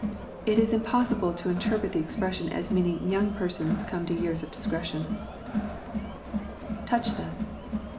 It is impossible to interpret the expression as mean ing young persons come to years of discretion. [Touch them.'